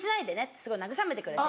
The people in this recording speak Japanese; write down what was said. すごい慰めてくれて。